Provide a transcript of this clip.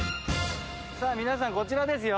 さあ、皆さん、こちらですよ。